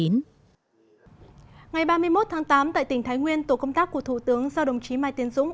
ngày ba mươi một tháng tám tại tỉnh thái nguyên tổ công tác của thủ tướng do đồng chí mai tiến dũng